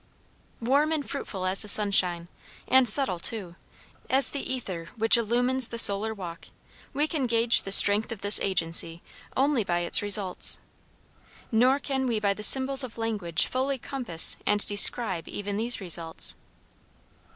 Warm and fruitful as the sunshine, and subtle, too, as the ether which illumines the solar walk, we can gauge the strength of this agency only by its results. Nor can we by the symbols of language fully compass and describe even these results.